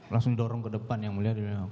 langsung dorong ke depan yang mulia